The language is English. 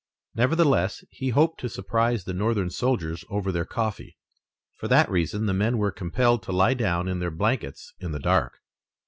Nevertheless, he hoped to surprise the Northern soldiers over their coffee. For that reason the men were compelled to lie down in their blankets in the dark.